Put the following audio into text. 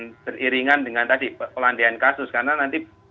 seiringan dengan tadi pelandian kasus karena nanti